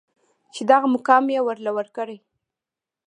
چې دغه مقام يې ورله ورکړې.